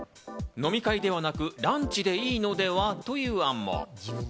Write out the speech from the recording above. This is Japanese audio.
飲み会ではなく、ランチでいいのでは？という案も。